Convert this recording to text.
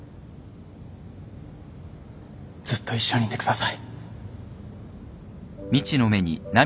ずっと一緒にいてください。